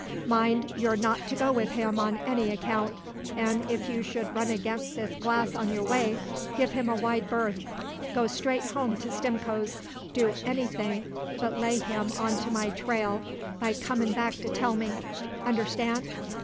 Mind, you're not to go with him on any account; an' if you should run against this Glass on your way, give him a wide berth go straight home to Stimcoe's do anything but lay him on to my trail by comin' back to tell me. Understand?